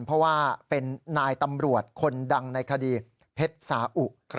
เพราะว่าเป็นนายตำรวจคนดังในคดีเพชรสาอุ